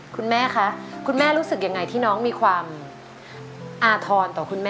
คุณแม่คะคุณแม่รู้สึกยังไงที่น้องมีความอาธรณ์ต่อคุณแม่